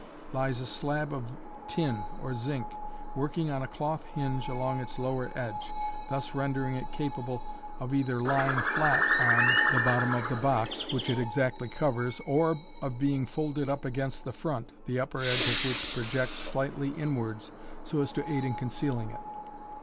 51) lies a slab of tin or zinc, working on a cloth hinge along its lower edge, thus ren dering it capable of either lying flat on the bottom of the box (which it exactly covers), or of being folded up against the front, the upper edge of which projects slightly inwards, so as to aid in concealing it.